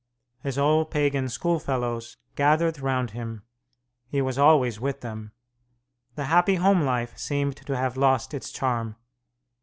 His old pagan schoolfellows gathered round him; he was always with them; the happy home life seemed to have lost its charm.